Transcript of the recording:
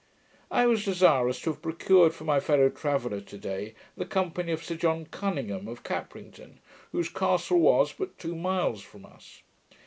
I was desirous to have procured for my fellow traveller, to day, the company of Sir John Cuninghame, of Caprington, whose castle was but two miles from us.